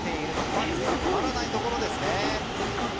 ファンにはたまらないところですね。